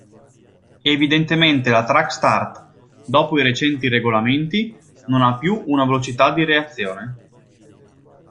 Evidentemente la track start, dopo i recenti regolamenti, non ha più una velocità di reazione.